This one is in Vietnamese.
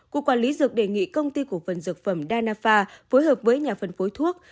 cục quản lý dược đề nghị công ty cổ phần dược phẩm danafa phối hợp với nhà phân phối thuốc